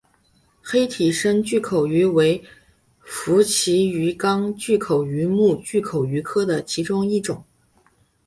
黑体深巨口鱼为辐鳍鱼纲巨口鱼目巨口鱼科的其中一种。